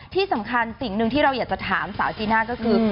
ที่สำคัญสิ่งหนึ่งที่เราอยากจะถามสาวจีน่าก็คือ